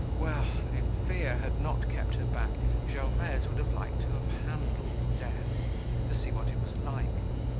Well! if fear had not kept her back, Gervaise would have liked to have handled death, to see what it was like.